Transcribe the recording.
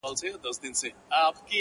ما یي سرونه تر عزت جارول!